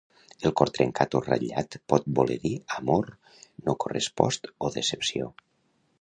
El cor trencat o ratllat pot voler dir amor no correspost o decepció.